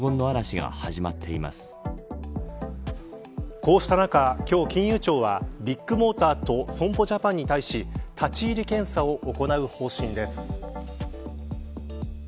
こうした中、今日、金融庁はビッグモーターと損保ジャパンに対し立ち入り検査を行う方針です。